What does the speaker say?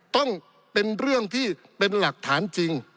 ต้องเป็นเรื่องที่เป็นหลักฐานจริง